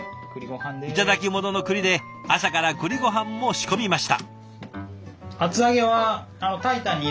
頂き物の栗で朝から栗ごはんも仕込みました。